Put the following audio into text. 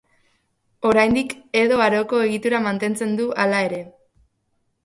Oraindik Edo Aroko egitura mantentzen du hala ere.